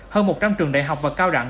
hơn một trăm linh trường đại học và cao đẳng